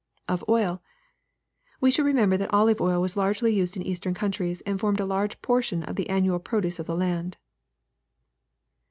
[Of oU.] We should remember that olive oil was largely used in eastern. countries, and formed a large portion of the annual pro duce of the land.